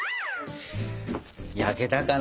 焼けたかな。